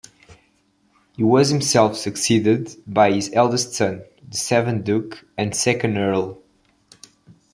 He was himself succeeded by his eldest son, the seventh Duke and second Earl.